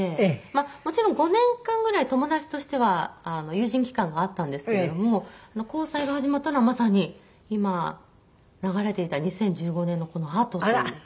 まあもちろん５年間ぐらい友達としては友人期間があったんですけれども交際が始まったのはまさに今流れていた２０１５年のこのあとという。